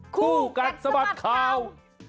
คู่กันสมัครข่าว